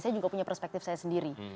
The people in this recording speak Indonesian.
saya juga punya perspektif saya sendiri